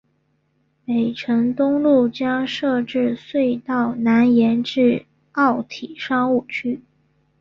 北辰东路将设置隧道南延至奥体商务区。